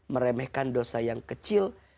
meremehkan dosa yang kecil